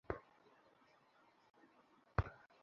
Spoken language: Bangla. দুজনের চেহারায় বিস্ময়কর মিল।